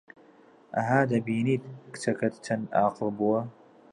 ئەها، دەبینیت کچەکەت چەند ئاقڵ بووە